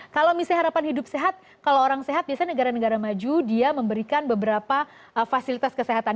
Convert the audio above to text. kalau misalnya harapan hidup sehat kalau orang sehat biasanya negara negara maju dia memberikan beberapa fasilitas kesehatan